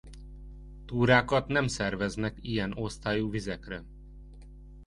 Túrákat nem szerveznek ilyen osztályú vizekre.